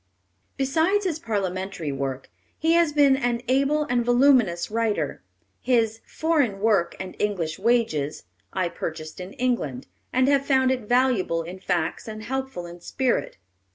Besides his parliamentary work, he has been an able and voluminous writer. His Foreign Work and English Wages I purchased in England, and have found it valuable in facts and helpful in spirit.